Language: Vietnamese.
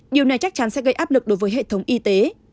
điều này chắc chắn sẽ gây áp lực đối với hệ thống y tế